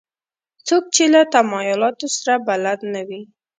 څوک چې له تمایلاتو سره بلد نه وي.